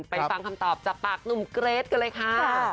ฟังคำตอบจากปากหนุ่มเกรทกันเลยค่ะ